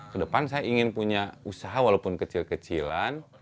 kedepan saya ingin punya usaha walaupun kecil kecilan